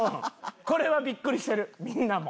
これはビックリしてるみんなも。